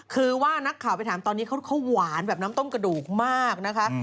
คือว่านักข่าวไปถามตอนนี้เขาหวานแบบน้ำต้มกระดูกมากนะคะ